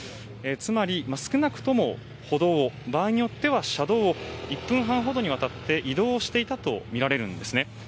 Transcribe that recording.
つまり、少なくとも歩道を場合によっては車道を１分半ほどにわたって移動していたとみられるんですね。